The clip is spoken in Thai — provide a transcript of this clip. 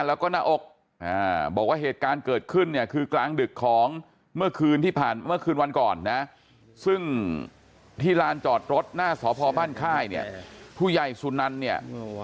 แล้วก็หน้าอกบอกว่าเหตุการณ์เกิดขึ้นเนี่ยคือกลางดึกของเมื่อคืนที่ผ่านมาเมื่อคืนวันก่อนนะซึ่งที่ลานจอดรถหน้าสพบ้านค่ายเนี่ยผู้ใหญ่สุนันเนี่ย